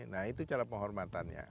nah itu cara penghormatannya